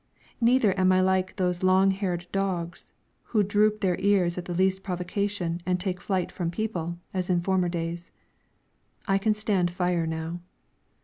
Neither am I like those long haired dogs who drop their ears at the least provocation and take flight from people, as in former days. I can stand fire now.